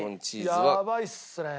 やばいっすね。